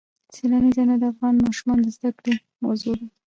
سیلانی ځایونه د افغان ماشومانو د زده کړې موضوع ده.